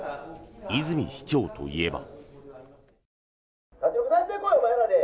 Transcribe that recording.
泉市長といえば。